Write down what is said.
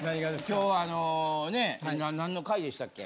今日あのね何の回でしたっけ？